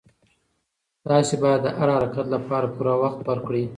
تاسي باید د هر حرکت لپاره پوره وخت ورکړئ.